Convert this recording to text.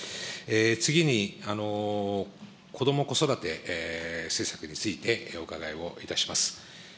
次に子ども・子育て政策についてお伺いをいたします。